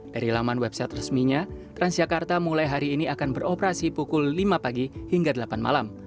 dari laman website resminya transjakarta mulai hari ini akan beroperasi pukul lima pagi hingga delapan malam